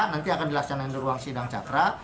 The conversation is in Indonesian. nanti akan dilaksanakan di ruang sidang cakra